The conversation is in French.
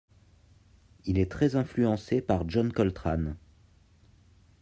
Il est très influencé par John Coltrane.